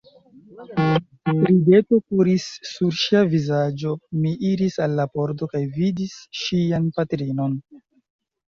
Rideto kuris sur ŝia vizaĝo, mi iris al la pordo kaj vidis ŝian patrinon.